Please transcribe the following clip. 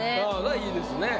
いいですね。